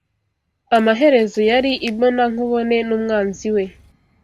Amaherezo yari imbonankubone n'umwanzi we